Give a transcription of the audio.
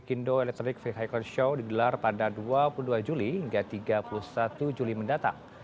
kindo electric vehicle show digelar pada dua puluh dua juli hingga tiga puluh satu juli mendatang